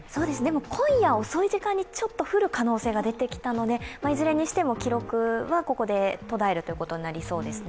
今夜遅い時間にちょっと降る可能性が出てきたので、いずれにしても記録はここで途絶えるということになりそうですね。